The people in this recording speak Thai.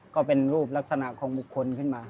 ก็เป็นรูปลักษณะของบุคคลขึ้นมา